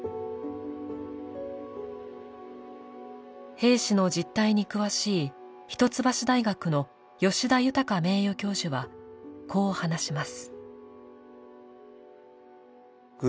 兵士の実態に詳しい一橋大学の吉田裕名誉教授はこう話します。